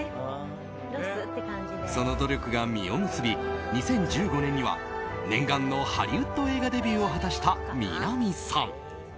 その努力が実を結び２０１５年には念願のハリウッド映画デビューを果たした南さん。